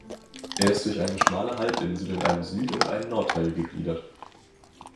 Er ist durch eine schmale Halbinsel in einen Süd- und einen Nordteil gegliedert.